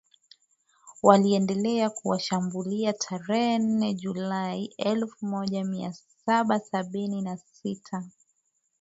waliendelea kuwashambulia Tarehe nne Julai elfumoja miasaba sabini na sita